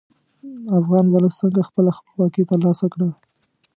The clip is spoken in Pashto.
افغان ولس څنګه خپله خپلواکي تر لاسه کړه.